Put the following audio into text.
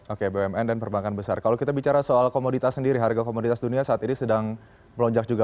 oke bumn dan perbankan besar kalau kita bicara soal komoditas sendiri harga komoditas dunia saat ini sedang melonjak juga